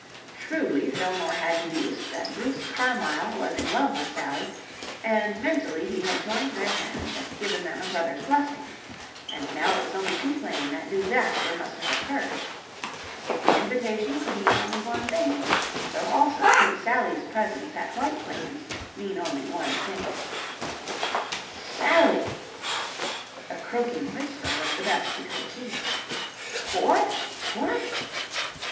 Shrewdly Fillmore had deduced that Bruce Carmyle was in love with Sally, and mentally he had joined their hands and given them a brother's blessing. And now it was only too plain that disaster must have occurred. If the invitation could mean only one thing, so also could Sally's presence at White Plains mean only one thing. "Sally!" A croaking whisper was the best he could achieve. "What... what...?"